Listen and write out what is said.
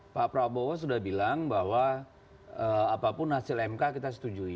pak prabowo sudah bilang bahwa apapun hasil mk kita setujui